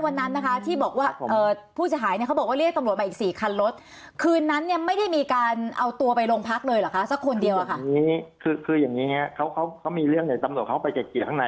สมาชิกอยู่ก่อนเนาะสมาชิกนิดนึงละกัน